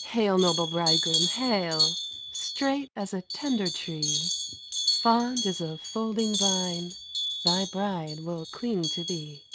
Hail, noble bridegroom, hail! Straight as a tender tree; Fond as a folding vine Thy bride will cling to thee.